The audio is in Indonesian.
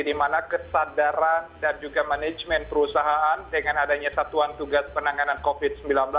di mana kesadaran dan juga manajemen perusahaan dengan adanya satuan tugas penanganan covid sembilan belas